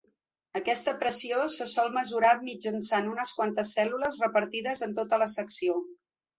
Aquesta pressió se sol mesurar mitjançant unes quantes cèl·lules repartides en tota la secció.